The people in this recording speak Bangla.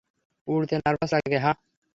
উড়তে নার্ভাস লাগে, হাহ?